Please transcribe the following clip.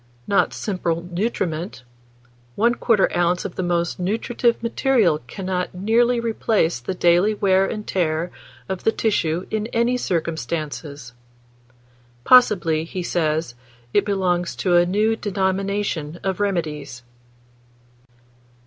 Not simple nutriment; 1/4 oz. of the most nutritive material cannot nearly replace the daily wear and tear of the tissue in any circumstances." Possibly, he says, it belongs to a new denomination of remedies.